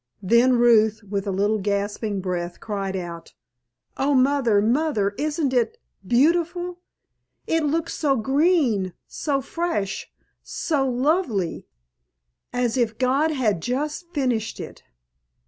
Then Ruth, with a little gasping breath, cried out: "Oh, Mother, Mother, isn't it beautiful! It looks so green, so fresh, so lovely—as if God had just finished it!"